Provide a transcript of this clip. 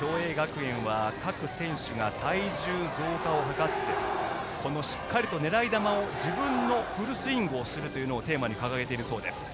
共栄学園は各選手が体重増加を図ってしっかりと狙い球を自分のフルスイングをするのをテーマに掲げているそうです。